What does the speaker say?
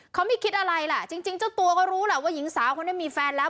เขาไม่คิดอะไรล่ะจริงเจ้าตัวก็รู้แหละว่าหญิงสาวคนนี้มีแฟนแล้ว